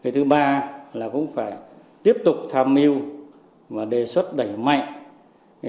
thứ ba là cũng phải tiếp tục tham mưu và đề xuất đẩy mạnh